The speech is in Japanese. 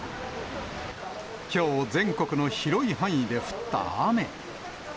きょう全国の広い範囲で降った雨。